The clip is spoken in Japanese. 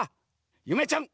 ゆめちゃん